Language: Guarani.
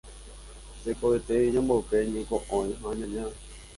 tekotevẽ ñamboyke ñeko'õi ha ñaña.